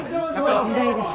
『時代』です。